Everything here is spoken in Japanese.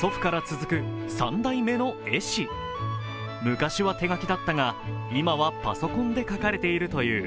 昔は手描きだったが、今はパソコンで描かれているという。